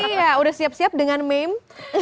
iya udah siap siap dengan meme